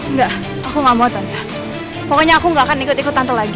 nggak aku nggak mau tante pokoknya aku nggak akan ikut ikut tante lagi